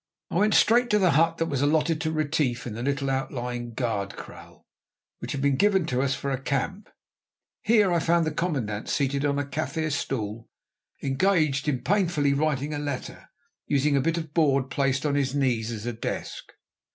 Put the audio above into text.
I went straight to the hut that was allotted to Retief in the little outlying guard kraal, which had been given to us for a camp. Here I found the commandant seated on a Kaffir stool engaged in painfully writing a letter, using a bit of board placed on his knees as a desk.